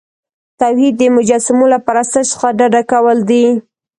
توحید د مجسمو له پرستش څخه ډډه کول دي.